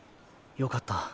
よかった。